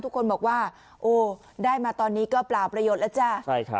ทุกคนบอกว่าโอ้ได้มาตอนนี้ก็เปล่าประโยชน์แล้วจ้ะใช่ครับ